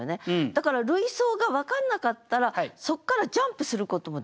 だから類想が分かんなかったらそっからジャンプすることもできないじゃん。